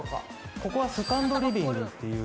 ここはセカンドリビングっていう。